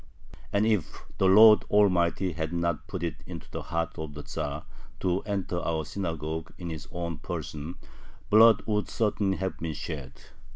And if the Lord Almighty had not put it into the heart of the Tzar to enter our synagogue in his own person, blood would certainly have been shed.